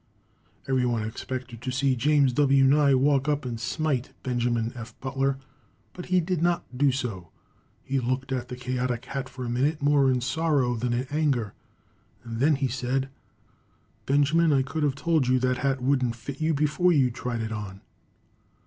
Everyone expected to see James W. Nye walk up and smite Benjamin F. Butler, but he did not do so. He looked at the chaotic hat for a minute, more in sorrow than in anger, and then he said: "Benjamin, I could have told you that hat wouldn't fit you before you tried it on."